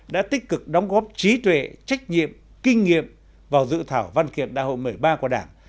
đã tích cực đóng góp trí tuệ trách nhiệm kinh nghiệm vào dự thảo văn kiện đại hội một mươi ba của đảng